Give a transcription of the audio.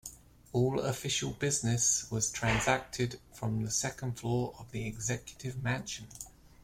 All official business, was transacted from the second floor of the Executive Mansion.